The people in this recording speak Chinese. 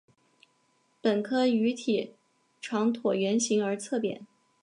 本科鱼体长椭圆形而侧扁。